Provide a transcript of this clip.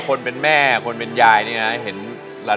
คนเป็นแม่คนเป็นยายนี่นะ